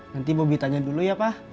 nanti bobi tanya dulu ya pak